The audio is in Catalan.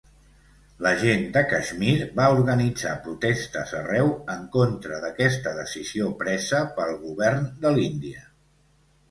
La gent de Kashmir va organitzar protestes arreu en contra d'aquesta decisió presa pel govern de l'Índia.